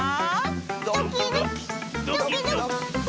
ドキドキドキドキ。